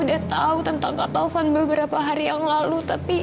padahal mila udah tahu tentang kata taufan beberapa hari yang lalu